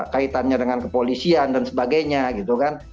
kaitannya dengan kepolisian dan sebagainya gitu kan